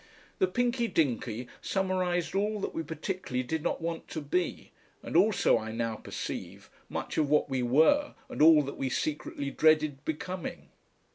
The Pinky Dinky summarised all that we particularly did not want to be, and also, I now perceive, much of what we were and all that we secretly dreaded becoming.